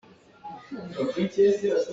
Thai kiptu ah ramriah ah kan kal lai.